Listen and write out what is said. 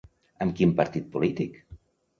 Amb quin partit polític?